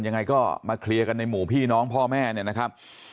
ยังไงก็มาเคลียร์กันในหมู่พี่น้องพ่อแม่เนี่ยนะครับ